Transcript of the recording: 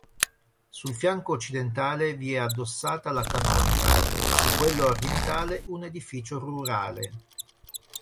Sul fianco occidentale vi è addossata la canonica, su quello orientale un edificio rurale.